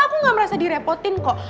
aku gak mau lagi kerasa ngerepotin kok